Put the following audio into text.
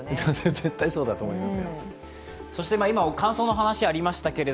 絶対そうだと思います。